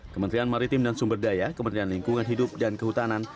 kementerian maritim dan sumberdaya kementerian lingkungan hidup dan kehutanan